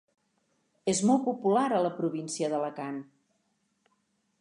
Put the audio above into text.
És molt popular a la província d'Alacant.